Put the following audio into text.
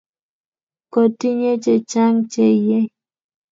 Ko tinye chechang che eih